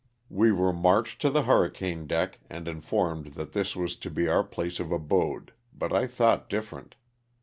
We were marched to the hurri cane deck and informed that this was to be our place of abode, but I thought different.